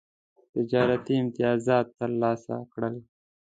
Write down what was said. تجارتي امتیازات ترلاسه کړل.